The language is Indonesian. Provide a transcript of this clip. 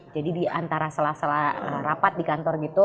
jadi di antara salah salah rapat di kantor gitu